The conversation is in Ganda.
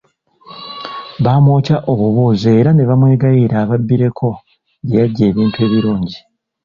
Bamwokya obubuuzo era ne bamwegayirira ababbireko gye yajja ebintu ebirungi.